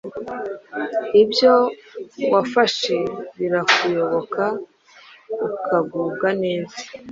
ibyo wafashe birakuyoboka ukagubwa neza